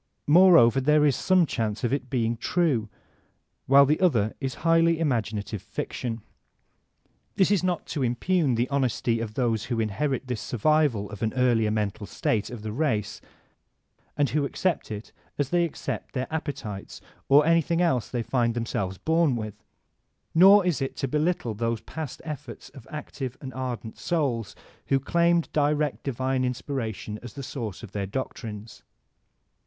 Moreover there is some chance of its being true, while the other is highly magioattve fiction. l8o VOLTAIRINB DE ClEYHE This is not to impugn the honesty of those who inherit this survival of an earlier mental state of the race, and who accept it as they accept their appetites or anything else they find themselves bom with. Nor is it to belittle those past efforts of active and ardent souls who claimed direct divine inspiration as the source of their doctrines.